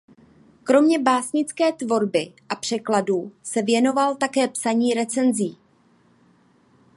Kromě básnické tvorby a překladů se věnoval také psaní recenzí.